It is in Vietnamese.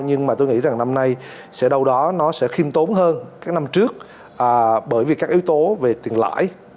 nhưng mà tôi nghĩ rằng năm nay sẽ đâu đó nó sẽ khiêm tốn hơn các năm trước bởi vì các yếu tố về tiền lãi